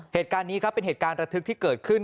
เหตุการณ์นี้ครับเป็นเหตุการณ์ระทึกที่เกิดขึ้น